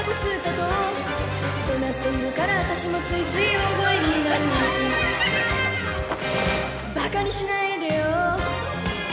「怒鳴っているから私もついつい大声になる」「馬鹿にしないでよ」